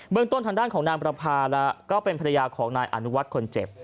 เมืองต้นทางด้านของนางประพาแล้วก็เป็นภรรยาของนายอนุวัฒน์คนเจ็บ